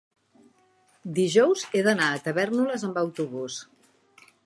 dijous he d'anar a Tavèrnoles amb autobús.